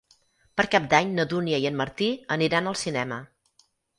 Per Cap d'Any na Dúnia i en Martí aniran al cinema.